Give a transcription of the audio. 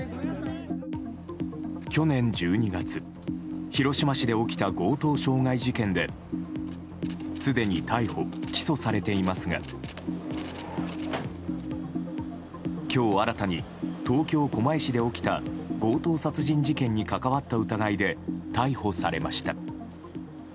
去年１２月、広島市で起きた強盗傷害事件ですでに逮捕・起訴されていますが今日新たに東京・狛江市で起きた強盗殺人事件に関わった疑いで逮捕されました。